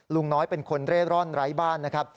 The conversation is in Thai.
ลุงน้อยเป็นคนเร่ร่อนไร้บ้านนะครับ